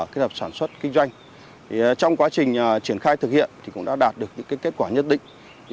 kinh doanh trong quá trình triển khai thực hiện thì cũng đã đạt được những kết quả nhất định